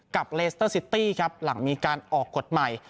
เลสเตอร์ซิตี้ครับหลังมีการออกกฎใหม่